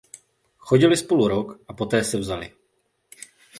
Chodili spolu rok a poté se vzali.